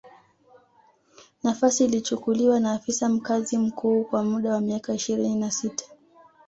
Nafasi ilichukuliwa na afisa mkazi mkuu kwa muda wa miaka ishirini na sita